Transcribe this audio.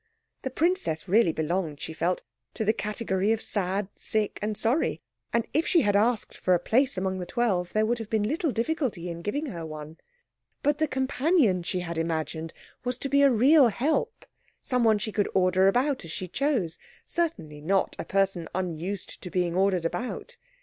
The princess really belonged, she felt, to the category of sad, sick, and sorry; and if she had asked for a place among the twelve there would have been little difficulty in giving her one. But the companion she had imagined was to be a real help, someone she could order about as she chose, certainly not a person unused to being ordered about.